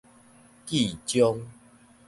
記章